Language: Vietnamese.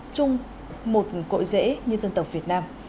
chung một cội rễ như dân tộc việt nam